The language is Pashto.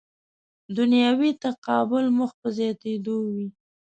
دنیوي تقابل مخ په زیاتېدو وي.